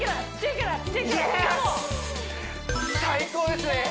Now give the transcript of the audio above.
最高ですね！